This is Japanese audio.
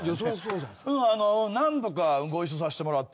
うんあの何度かご一緒させてもらってるね。